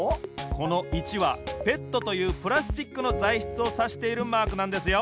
この「１」はＰＥＴというプラスチックのざいしつをさしているマークなんですよ。